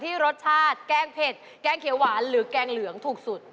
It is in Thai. รสชาติแกงเผ็ดแกงเขียวหวานหรือแกงเหลืองถูกสุด